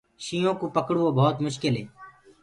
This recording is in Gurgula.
شيِنهو ڪوُ پڪڙوو ڀوت مشڪِل هي۔